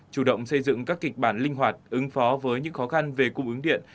chủ động xây dựng các kịch bản linh hoạt ứng phó với những khó khăn về cung ứng điện